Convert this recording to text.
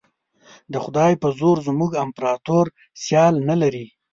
د خدای په زور زموږ امپراطور سیال نه لري.